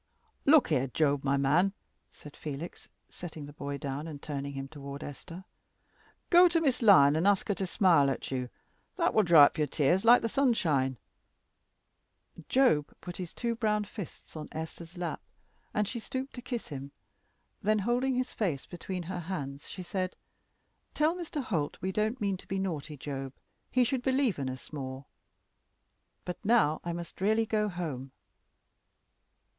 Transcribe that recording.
"Look here, Job, my man," said Felix, setting the boy down and turning him toward Esther; "go to Miss Lyon, ask her to smile at you, and that will dry up your tears like the sunshine." Job put his two brown fists on Esther's lap, and she stooped to kiss him. Then holding his face between her hands she said, "Tell Mr. Holt we don't mean to be naughty, Job. He should believe in us more. But now I must really go home."